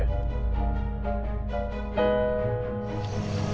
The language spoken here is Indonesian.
kenapa andin balik lagi ya